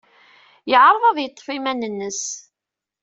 Yeɛreḍ ad yeḍḍef iman-nnes.